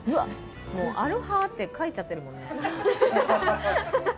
もう「Ａｌｏｈａ！」って書いちゃってるもんね